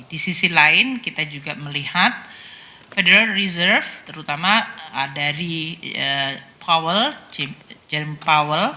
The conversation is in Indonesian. di sisi lain kita juga melihat federal reserve terutama dari power gene power